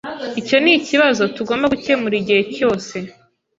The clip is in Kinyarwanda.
Icyo nikibazo tugomba gukemura igihe cyose.